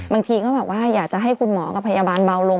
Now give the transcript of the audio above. บางทีก็แบบว่าอยากจะให้คุณหมอกับพยาบาลเบาลง